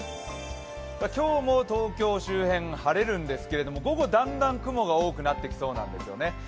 今日も東京周辺、晴れるんですけど午後だんだん雲が多くなってきそうなんですね。